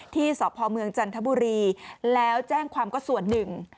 ที่สพเมืองจันทบุรีแล้วแจ้งความก็ส่วนหนึ่ง